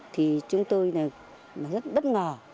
thì chúng tôi rất bất ngờ